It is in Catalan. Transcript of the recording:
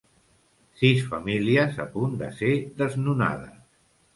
Sis famílies a punt de ser desnonades